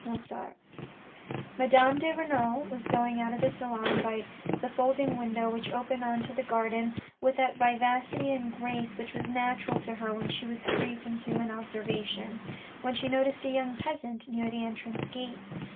Mozakt {Figaro). Madame de Renal was going out of the salon by the folding window which opened on to the garden with that vivacity and grace which was natural to her when she was free from human observation, when she noticed a young peasant near the entrance gate.